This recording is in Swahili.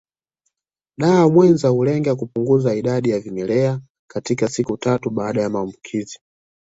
Dawa mwenza hulenga kupunguza idadi ya vimelea katika siku tatu baada ya maambukizi